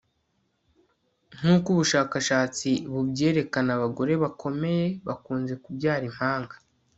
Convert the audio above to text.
Nkuko ubushakashatsi bubyerekana abagore bakomeye bakunze kubyara impanga